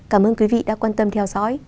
cảm ơn quý vị đã quan tâm theo dõi